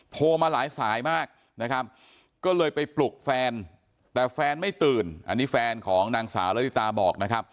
โทรมาหลายสายมากนะครับก็เลยไปปลุกแฟนแต่แฟนไม่ตื่นอันนี้แฟนของนางสาวละลิตาบอกนะครับ